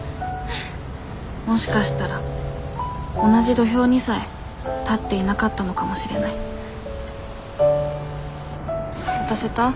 もしかしたら同じ土俵にさえ立っていなかったのかもしれない渡せた？